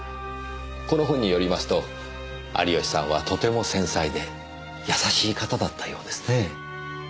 この本によりますと有吉さんはとても繊細で優しい方だったようですね。